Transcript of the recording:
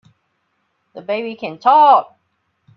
The baby can TALK!